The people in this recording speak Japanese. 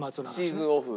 シーズンオフ。